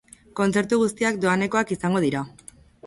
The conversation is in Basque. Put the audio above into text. Kontzertu guztiak doanekoak izango dira.